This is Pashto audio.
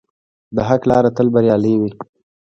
د حق لاره تل بریالۍ وي.